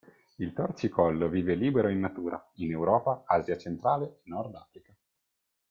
Il torcicollo vive libero in natura, in Europa, Asia centrale e Nord Africa.